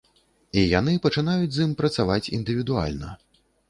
І яны пачынаюць з ім працаваць індывідуальна.